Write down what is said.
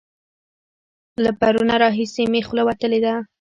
له پرونه راهسې مې خوله وتلې ده.